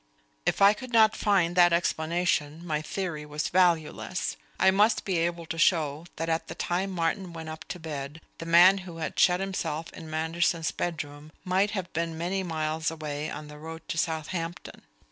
If I could not find that explanation my theory was valueless. I must be able to show that at the time Martin went up to bed, the man who had shut himself in Manderson's bedroom might have been many miles away on the road to Southampton.